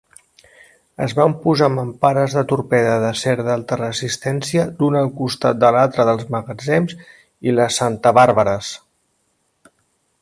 Es van posar mampares de torpede d'acer d'alta resistència l'una al costat de l'altra dels magatzems i les santabàrbares.